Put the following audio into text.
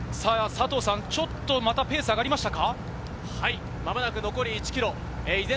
ちょっとまたペースが上がりましたか？